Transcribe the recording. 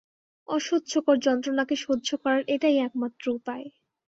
অসহ্যকর যন্ত্রণাকে সহ্য করার এটাই একমাত্র উপায়।